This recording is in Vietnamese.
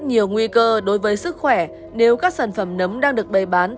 nhiều nguy cơ đối với sức khỏe nếu các sản phẩm nấm đang được bày bán